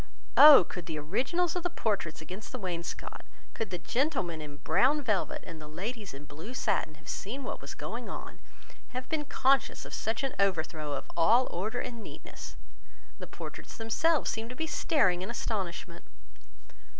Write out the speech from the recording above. Oh! could the originals of the portraits against the wainscot, could the gentlemen in brown velvet and the ladies in blue satin have seen what was going on, have been conscious of such an overthrow of all order and neatness! The portraits themselves seemed to be staring in astonishment.